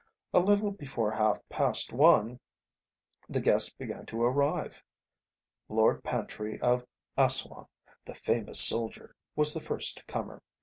A little before half past one the guests began to arrive. Lord Pantry of Assouan, the famous soldier, was the first comer.